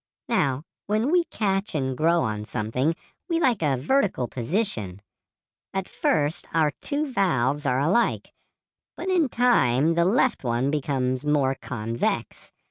Now, when we catch and grow on something we like a vertical position. At first our two valves are alike, but in time the left one becomes more convex.